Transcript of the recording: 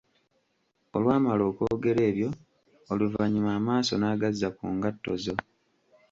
Olwamala okwogera ebyo, oluvannyuma amaaso n‘agazza ku ngatto zo.